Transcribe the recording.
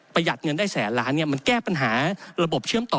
หัดเงินได้แสนล้านมันแก้ปัญหาระบบเชื่อมต่อ